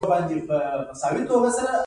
پر سترګو مو شیطان لعین عینکې در اېښي دي.